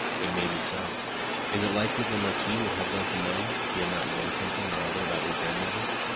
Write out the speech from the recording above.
"It may be so." "Is it likely that the Marquis would have lent the money if he had not known something or other about your grandmother?